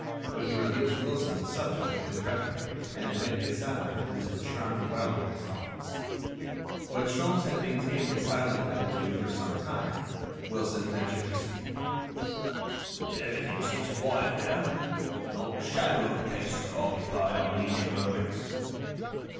Would he reveal to Wilson the subject of his reverie and admit his satellite into the charmed realm of his thoughts? When Sholmes had maintained his silent attitude for some time. Wilson ventured to speak: "Everything seems quiet now. Not the shadow of a case to occupy our leisure moments."